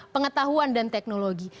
pengetahuan dan teknologi